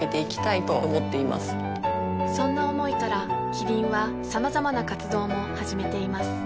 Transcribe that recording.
そんな思いからキリンはさまざまな活動も始めています